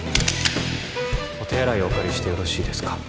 お手洗いお借りしてよろしいですか？